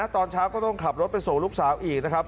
ตอนเช้าก็ต้องขับรถไปส่งลูกสาวอีกนะครับ